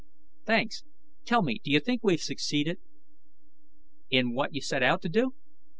"Thanks. Tell me, do you think we've succeeded?" "In what you set out to do?